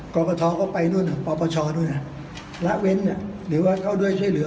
กรปทก็ไปนู่นปปชด้วยนะละเว้นหรือว่าเข้าด้วยช่วยเหลือ